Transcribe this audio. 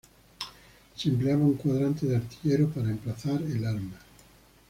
Se empleaba un cuadrante de artillero para emplazar el arma.